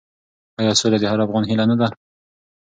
آیا سوله د هر افغان هیله نه ده؟